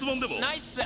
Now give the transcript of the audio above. ないっす。